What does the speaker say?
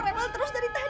kamu rewel terus dari tadi